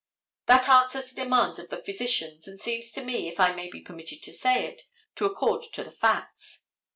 That answers the demands of the physicians, and seems to me, if I may be permitted to say it, to accord to the facts.